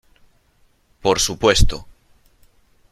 por su puesto .